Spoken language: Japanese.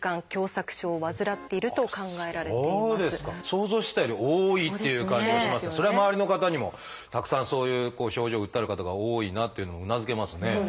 想像してたより多いっていう感じもしますがそれは周りの方にもたくさんそういう症状を訴える方が多いなっていうのもうなずけますね。